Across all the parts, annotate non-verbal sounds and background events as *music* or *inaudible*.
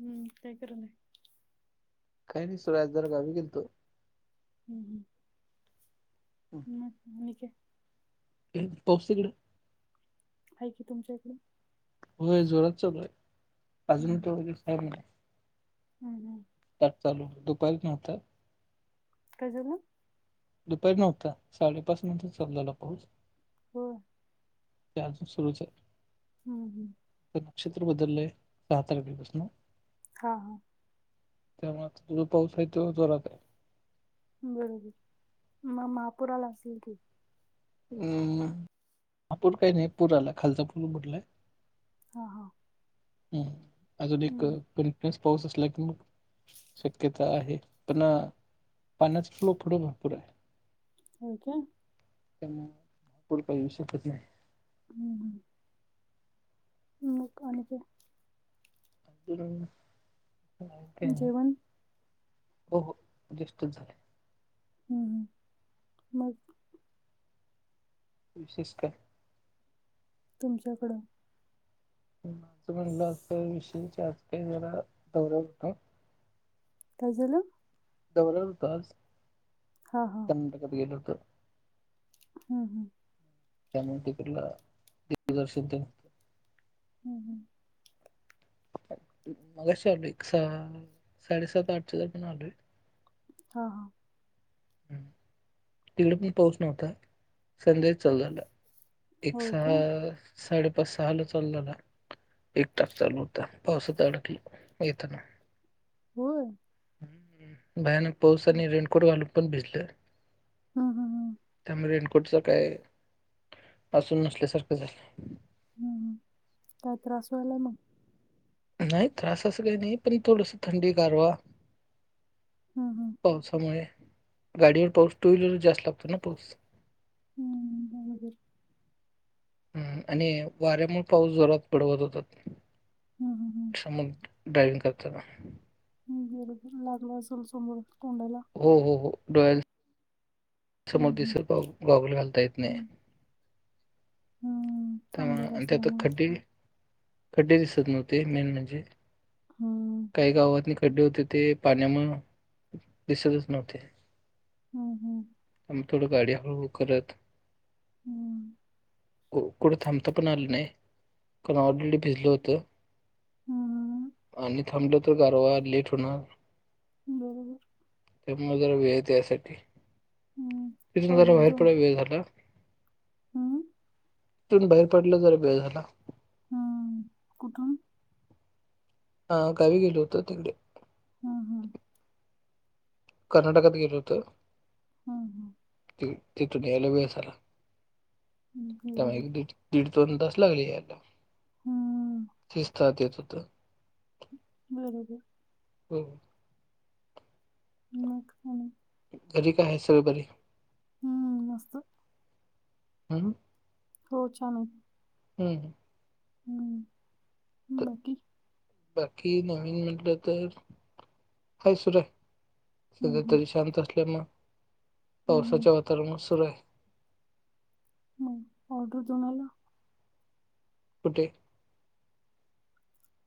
हम्म काय करू नाय काही नाही सुरराय जर गावी गेलतो हम् हम ह् म्हक पाौसकडें आहेऐ की तुमच्या इकडे हो जोरात चलोय पाजून तेय म हम हम त्या चालू दुपारीच नव्हतं कायेन दुपारी नव्हता साडेपाच नंतर चालू झाला पाऊस. ह. ते अजून सुरूच आहे. हम्म हम्. तर नक्षत्र बदललंय सहा तारखेपासन हां हां त्यामुळे तुझो पाऊस आहे तो जोरात आहे बरोबर मग महापुराला असेल की हम् नापूर काही नाही पूर आला खालचा पूर बुटलाय हा हा. हम अजून एक हम्म कंटिन्यअस पाऊस असला कि मग.. शक्यता आहे पण पाण्याचा फ्लो पुढं भरपूर आहे. हो का. त्यामुळेपूढ का येऊ शकत नाही. रिकामा ऑडिओ म का *unintelligible* *unintelligible* हो जेवण? हो बेस्टच झाले. ह् मग. विशेष काय? तुमच्याकड. माझं म्हणलं विषयीज काही जरा दौरा होता. काय झाल? दौऱ होत आज हा हा. कर्नाटकात गेलं होत. हम् हम् त्यामुळे ते *unintelligible* हम् ह मगाशी आलय एक साडेसात आठच्या दरम्यान आलोय. हा हा. ह तिकडे बी पाऊस नव्हता. संध्या चाललेला एक होय सहा काय? साडेपाच सहाला चालू झाला. एक तास चालू होता पावसात अडकलो येताना. हो. भयानक पाऊस आणि रेनकोट घालून पण भिजले. हा हा. त्यामुळे रेनकोटच काय वासून नसल्यासारखं झालंय. हम्म काय त्रास व्हाला मग? नाही त्रास असं काही नाही पण थोडस थंडी गारवा. हा हा. पावसामुळे गाडीवर पाऊस टू व्हीलर जास्त लागतो ना पाऊस. हम् बरोबर. ह आणि वाऱ्यामुळे पाऊस जोरात पडवत होतात. हम्म हम्म हम्म सम ड्रायविंग करत ना. ह् बरोबर लागला असेल समोर तोंड्याला. हो हो हो डोळ्या समोर हं, हं, दिसत गागल घालता येत नाही. हम्म. त्या त्यात खड्डे. खड्डे दिसत नव्हते मेन म्हणजे.. हं, काही गावातले खड्डे होते ते पाण्यामु दिसतच नव्हते. हम्म हम्. आ थोडं गाडी हळूहळू करत. हम्. कोकड थमतपणालने कनॉडलेडी बिझिल होत. हं. आणि थांबलं तर गारवा लेट होणार. हो. त्यामुळे जरा वळेत यासाठी.. हम्म. तिथून जरा बाहेर पडय वेळ झाला. हं, तून बाहेर पडलं जरा बे झाला. हम्म कुठुून हा कवी गे ल होत तिंडी हा हां. कर्नाटकात गेल होत हं, हं. तिथून यायला वेसला त्यामुळे बरोबर. एक दीड दीड दोन तास लागले याला हं, तसतात येत होत. बरोबर. ह. मगणे घरी काय आहे सर्व बरी हम्म मस्त. हम. हो छान. हम. हम्म. बाकी नवीन म्हटलं तर कााय सुरय हं, सध्या हं, तरी शांत असल्या मग हं, हं. पावसाच्या वातावरणात सुरू आहे. मग ऑर्डर तुम्हाला कुठे?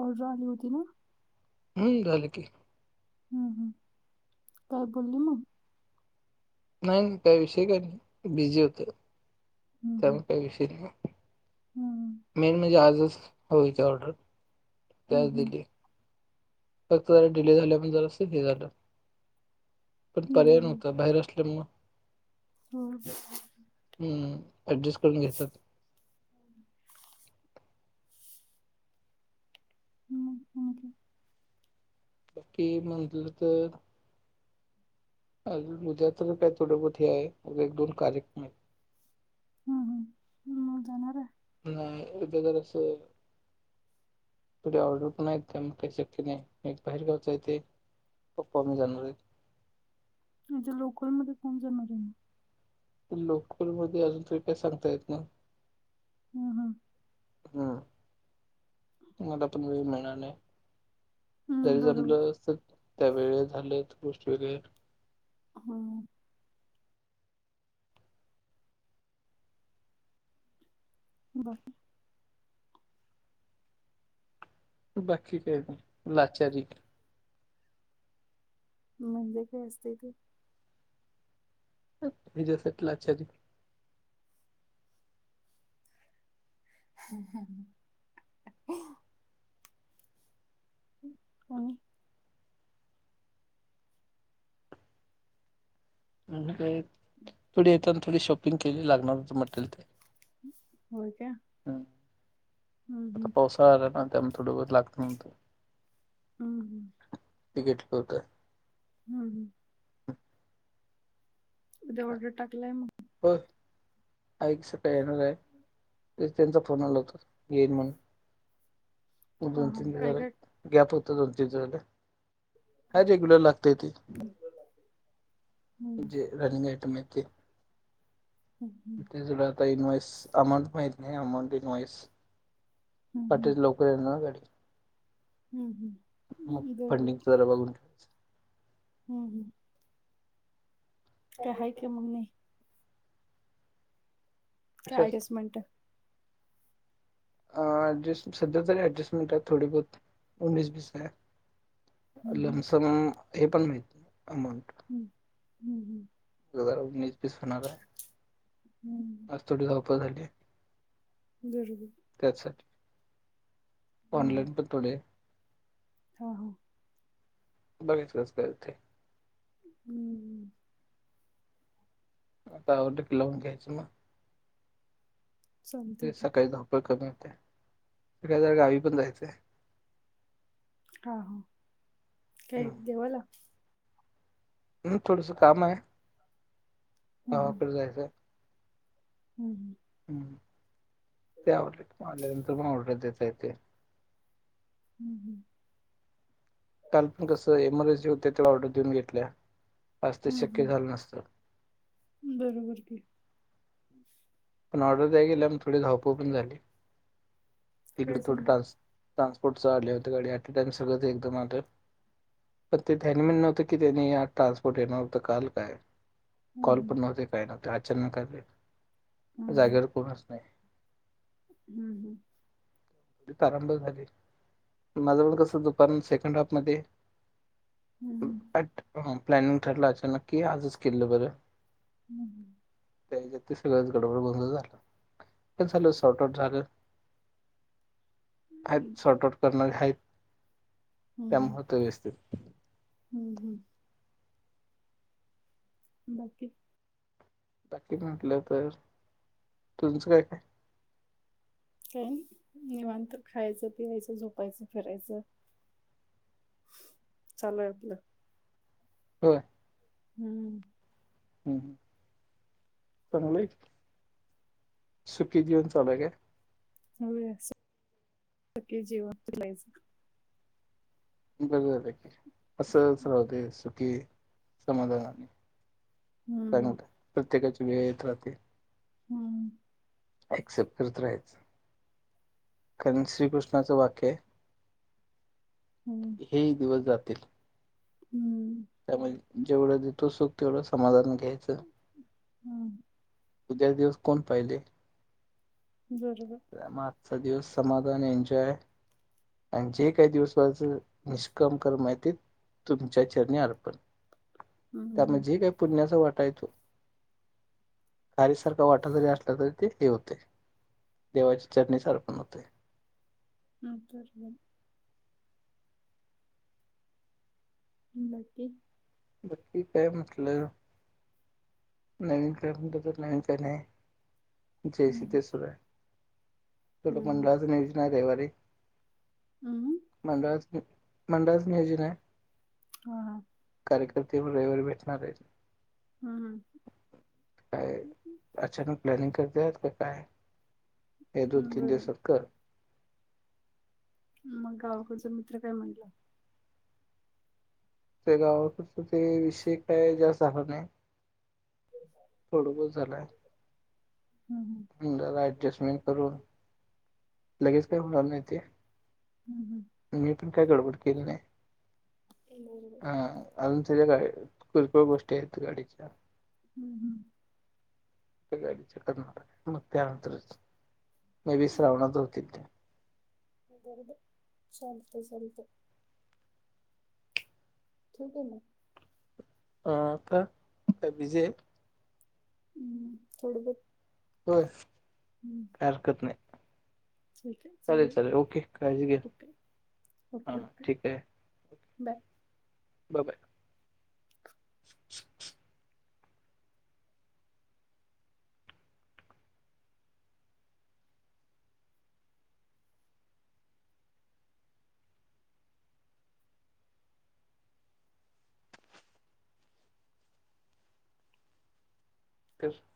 ऑर्डर आली होती ना. हम्म झाल की हम् हम् काय बोलली म नाही नाही काही विषय काही नाही बिझी होत त्यामुळे काही विषयी नाही. हम्म. मेन म्हणजे आजच हयच ऑर्डर ते हं आज हं दिली. फक्त जरा डिले झाल्या म्ह जर असेल हे झालं. पण पर्याय नव्हता बाहेर असल्यामुळं. होम. हम्म ऍडजस्ट करून घेतात. ह ँक बाकी मंदलं तर अुझ्या तर काय थोडपती हे आहेग एक दोन कार्यक्रम आहेत. हम्म हम्म हम् जाणार र नाही एक ज असं तुढे ऑर्डर पण आहेत त्या मग का श क नाही एक बाहेरगावचा आहेथे पप्पा मी जाणार आहे. म्हणजे लोकलमध्येध्ये कोण जाणार. लोकलमध्येध्ये अजून तु्ही काय सांगता येत ना. हं हं हा. मला पण वेळ मिळणार नाही हं तरी बरोबर जमलं अस. त्या वेळे झाल्या गोष्टी वगैरे हा बाकी बाकी अ लाचारी म्हणजे काय असतय ते अम् ए जसट लाच्छाजी हम्म. हं आणि म्ह ते थोडी येतान थोडी शॉपिंग केली लागणार असं म्हटल ते होय त्या हं... आता पावसाळा आला ना त्यामुळ थोडं वद लागत न. हम्म......... होतं हम्म हं जेवढे टाकलाय मग हो.... आईक्सपॅनोवेअर त्यांचा फोन आला होता येईन म्हण ो तन हां हां काय काय दि गॅप होतात त ह रेग्युलर लागत ते ते हं जे रनिंग आटम ते हं हं ते ज आता इनवइस अमाऊंट माहत नाही अमाऊंट इनवइस हं हं कटल लवकर येणार ना गाडी हम्म हम् मग फंडिंग जरा बघून हम्म.. काय हाय के म्हणे ठेवायचं कार्डिस्टमंट आ... ऍडजेस्ट सध्या तरी ऍडजस्टमेंट आहे थोडी बहुत उणीस बीस हाय हं हं लमसमा हे पण माहीत अमोंट हम्म हम्म वगराव मीच हेच होणाराय...... हं आज थोडी धावपळ झाली..... बरोबर त्यासाठी..... हं ऑनलाईन पण थोडे हां हं बरेच व्यस्त आहेत ते हम्म्म आता अ डीक लावून घ्यायच ना चालतंय ते की सकाळी धावपळ कमी होते. ते काय जरा गावी पण जायचयं हां हां थेट देवाला हम्म थोडसं काम हाय...... हम्म गावाकड जायचाय हम्म हं हम्म्म.... हम्म हम्म काल गं हं बरोबर की पण ऑर्डर दयाय गेल्यानं थोडी धावपळ पण झाली.. दीड काय दोन झालं तास ट्रान्सपोर्टचा लाईट गाडी ॲकीटन्स रोज एकदम आलं पर ते टायमिंग न्हवत की जेणे आज ट्रान्सपोर्ट येणार होतं काल काय हम्म कॉल पण नव्हते काय नव्हते अचानक आलेत.... हम्म हम्म जागेवर कोणच नाय हम्म हं तारांबळ झाली... माझं पण कसं दुपार सेकंड हाफमध्ये हम्म बट हम्म प्लॅनिंग ठरलं अचानक की आजच केलेलं बरं *inaudible* तेज ते सगळंच गडघोळ झालं ते झालं... सॉल्टआउट झालं आहेत हम्म सॉल्ट आउट करणारी हाइत. हम्म त्यामुळं ते व्यस्तेत हम्म बाकीत बाकी म्हणटलं तर.... तुमचं कायं कायं काय.. निवांत खायचं पिवायचं झोपायचं फिरायचं *unintelligible* होय *unintelligible* हम् चांगलंय सुखी दिवस चालूय काय *unintelligible* बर बर क असंं राहू दे सुखी हम्म *unintelligible* *unintelligible* एक्सेप्ट करत राहयचं.. कारण श्रीकृष्णाचं वाक्यय हं हे ही दिवस जातील हम्म्म *unintelligible* हम्म *inaudible* *inaudible* त्यामुळे आजचा दिवस समाधान एन्जॉय *unintelligible* तुमच्या चरणी अर्पण हम्म त्यामुळे जे काय पुण्याचा वाटा येतो खारीसारखा वाटा जरी असला तरी ते हे होते देवाच्या चरणी अर्पण होते *unintelligible* *inaudible* *unintelligible* *unintelligible* हम्म हम्म *unintelligible* *unintelligible* मंडळाच मंडळाच नियोजन आहे *inaudible* कार्यकर्ते रविवारी भेटणार आहेत *unintelligible* काय अचानक प्लॅनिंग करते आहेत का काय या दोन हम्म तीन बरोबर दिवसात कर मग गावकडचा मित्र काय म्हणते *unintelligible* थोडसच झाले *unintelligible* *unintelligible* लगेच काही होणार नाही ते हम्म हम्म हम्म मी पण काही गडबड केली नाही आहे बरोबर *unintelligible* *unintelligible* *unintelligible* *unintelligible* ठीक आहे न का बिझी आहे *unintelligible* हो काही हम्म हरकत नाही ठीक आहे चालेल चालेल ओके काळजी घ्या ओके हा ठीक आहे बर.... बर बाय.... *inaudible* *inaudible*